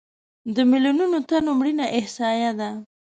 د میلیونونو تنو مړینه احصایه ده.